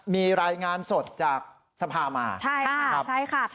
มีรายงานสดจากสภามาใช่ค่ะใช่ค่ะ